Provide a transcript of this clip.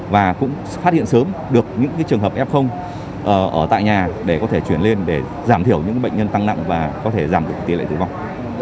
và cũng phát hiện sớm được những trường hợp f ở tại nhà để có thể chuyển lên để giảm thiểu những bệnh nhân tăng nặng và có thể giảm được tỷ lệ tử vong